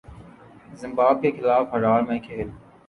زمباب کے خلاف ہرار میں کھیل